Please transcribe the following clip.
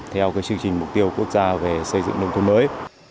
theo chương trình mục tiêu quốc gia về xây dựng nông thôn mới